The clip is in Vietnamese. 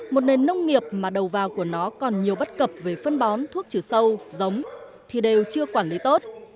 một nền nông nghiệp mà đầu vào của nó còn nhiều bất cập về phân bón thuốc trừ sâu giống thì đều chưa quản lý tốt